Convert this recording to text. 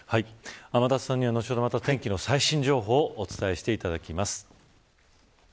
天達さんには、後ほど天気の最新情報をお伝えしていただきます。